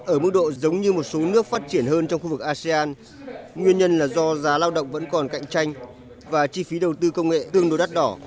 ở mức độ giống như một số nước phát triển hơn trong khu vực asean nguyên nhân là do giá lao động vẫn còn cạnh tranh và chi phí đầu tư công nghệ tương đối đắt đỏ